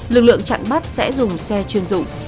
lực lượng chặn bắt sẽ dùng xe chuyên dụng